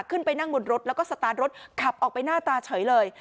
ขึ้นไปนั่งบนรถแล้วก็สตาร์ทรถขับออกไปหน้าตาเฉยเลย